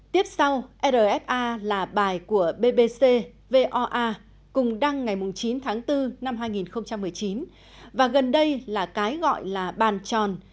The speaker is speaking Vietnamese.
tiếp sau rfa là bài của bbc voa cùng đăng ngày chín tháng bốn năm hai nghìn một mươi chín và gần đây là cái gọi là bàn tròn